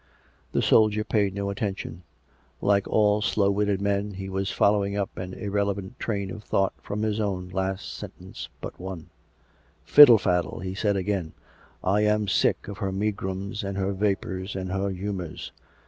The soldier paid no attention. Like all slow witted men, he was following up an irrelevant train of thought from his own last sentence but one. 306 COME RACK! COME ROPE! " Fiddle faddle !" he said again. " I am sick of her megrims and her vapours and her humours.